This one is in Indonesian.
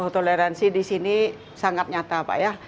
toleransi di sini sangat nyata pak ya